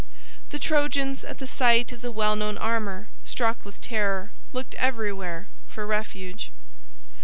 The Trojans, at the sight of the well known armor, struck with terror, looked everywhere for refuge.